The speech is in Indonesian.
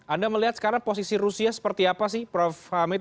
anda melihat sekarang posisi rusia seperti apa sih prof hamid